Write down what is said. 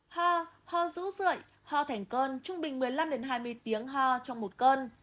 hoa hoa rút rượi hoa thành cơn trung bình một mươi năm hai mươi tiếng hoa trong một cơn